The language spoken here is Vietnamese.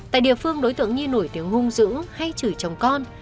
tại địa phương đối tượng nhi nổi tiếng hung dữ hay chửi chồng con